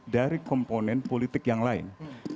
dari komponen politik yang lain